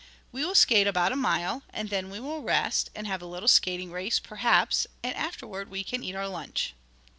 "We will skate about a mile, and then we will rest, and have a little skating race, perhaps, and afterward we can eat our lunch."